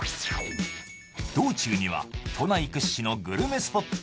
道中には都内屈指のグルメスポット